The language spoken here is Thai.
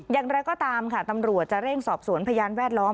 อย่างไรก็ตามค่ะตำรวจจะเร่งสอบสวนพยานแวดล้อม